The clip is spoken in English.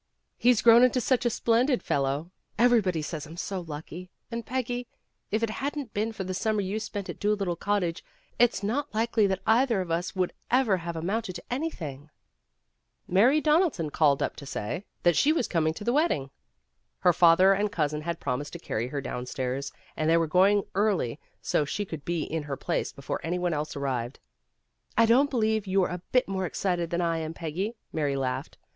"He's grown into such a splendid fellow. Everybody says I'm so lucky. And, Peggy, if it hadn't been for the summer you spent at Doolittle Cottage, it's not likely that either of us would ever have amounted to anything." Mary Donaldson called up to say that she 318 PEGGY RAYMOND'S WAY was coming to the wedding. Her father and cousin had promised to carry her downstairs, and they were going early so she could be in her place before any one else arrived. "I don't believe you're a bit more excited than I am, Peggy," Mary laughed.